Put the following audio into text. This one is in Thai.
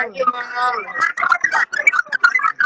จะมาหาอีกรอบ